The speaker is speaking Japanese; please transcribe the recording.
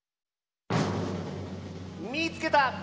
「みいつけた！